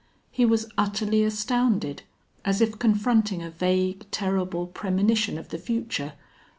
He was utterly astounded, as if confronting a vague, terrible premonition of the future.